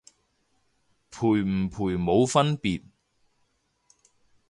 賠唔賠冇分別